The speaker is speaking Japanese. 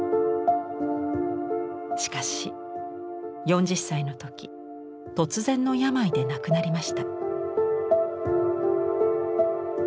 しかし４０歳の時突然の病で亡くなりました。